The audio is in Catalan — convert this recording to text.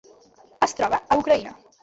Es troba a Ucraïna.